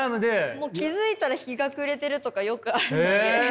気付いたら日が暮れてるとかよくあるので。